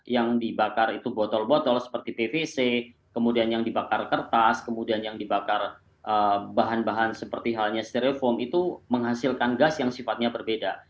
yang dibakar itu botol botol seperti tvc kemudian yang dibakar kertas kemudian yang dibakar bahan bahan seperti halnya stereofoam itu menghasilkan gas yang sifatnya berbeda